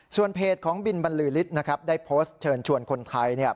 ส่วนเพจของบินบรรลือฤทธิ์นะครับได้โพสต์เชิญชวนคนไทยเนี่ย